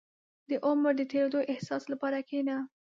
• د عمر د تېرېدو احساس لپاره کښېنه.